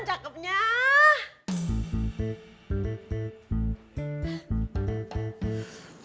kalau sampai gue dikeluarin